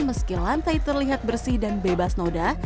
meski lantai terlihat bersih dan bebas noda